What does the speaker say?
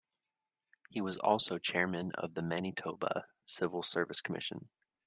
He was also chairman of the Manitoba Civil Service Commission.